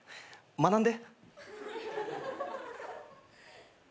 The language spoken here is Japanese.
学んで。